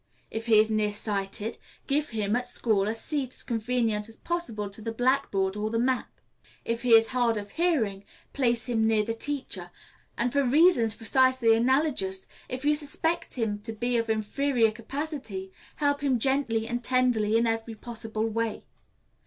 If he is near sighted, give him, at school, a seat as convenient as possible to the blackboard or the map. If he is hard of hearing, place him near the teacher; and for reasons precisely analogous, if you suspect him to be of inferior capacity, help him gently and tenderly in every possible way.